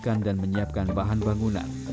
menyiapkan dan menyiapkan bahan bangunan